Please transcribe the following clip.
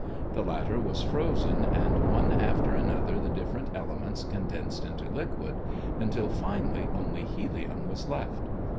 The latter was frozen and one after another the different elements condensed into liquid, until finally only helium was left.